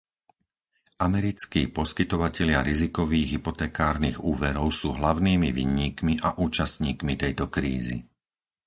Americkí poskytovatelia rizikových hypotekárnych úverov sú hlavnými vinníkmi a účastníkmi tejto krízy.